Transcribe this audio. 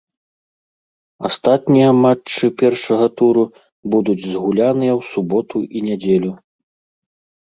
Астатнія матчы першага туру будуць згуляныя ў суботу і нядзелю.